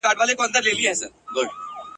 د زمان هري شېبې ته انتها سته !.